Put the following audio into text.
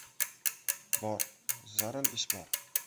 — Bor, zaril ish bor!